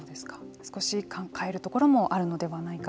少し変えるところもあるのではないか。